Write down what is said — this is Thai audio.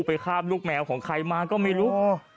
คาบลูกแมวของใครมาก็ไม่รู้